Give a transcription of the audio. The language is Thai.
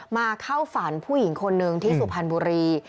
มาเข้าฝันผู้หญิงคนหนึ่งที่สุพรรณบุรี